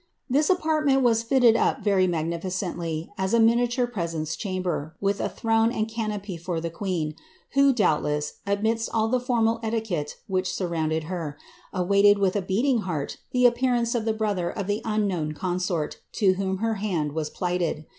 This apartment was fitted up very magnificently as a ire presence chamber, with a throne and canopy for the queen, loubtless, amidst all the formal etiquette which surrounded her, j with a beating heart the appearance of the brother of the un consort to whom her hand was plighted.